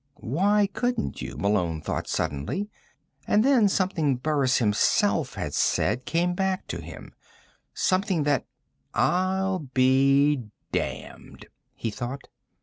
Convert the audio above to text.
Why couldn't you? Malone thought suddenly. And then something Burris himself had said came back to him, something that I'll be damned, he thought.